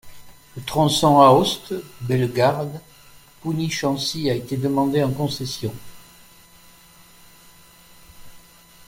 Le tronçon Aoste, Bellegarde, Pougny-Chancy a été demandé en concession.